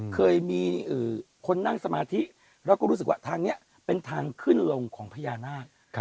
เคยมีคนนั่งสมาธิแล้วก็รู้สึกว่าทางนี้เป็นทางขึ้นลงของพญานาค